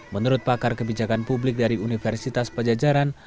menurut pakar kebijakan publik dari universitas pajajaran